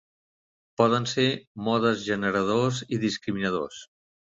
Poden ser modes generadors i discriminadors.